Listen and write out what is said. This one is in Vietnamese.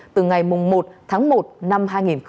từ ngày một tháng một năm hai nghìn hai mươi